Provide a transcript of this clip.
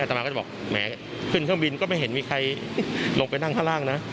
ตามาก็จะบอกแหมขึ้นเครื่องบินก็ไม่เห็นมีใครลงไปนั่งข้างล่างนะ